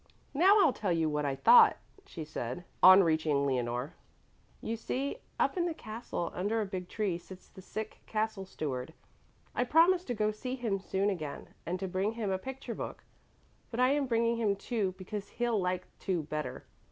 "Now I'll tell you what I thought," she said on reaching Leonore. "You see, up in the castle under a big tree sits the sick Castle Steward. I promised to go to see him soon again and to bring him a picture book. But I am bringing him two because he'll like two better.